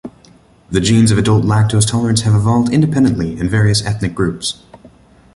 The genes of adult lactose tolerance have evolved independently in various ethnic groups.